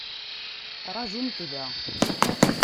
Rajumt da!